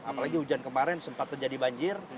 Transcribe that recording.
apalagi hujan kemarin sempat terjadi banjir